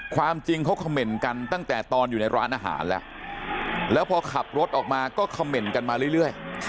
ความจริงเขาเขม่นกันตั้งแต่ตอนอยู่ในร้านอาหารแล้วแล้วพอขับรถออกมาก็คำเมนต์กันมาเรื่อย